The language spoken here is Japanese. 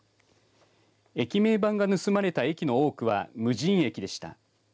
駅名板が盗まれた多くは無人駅でした。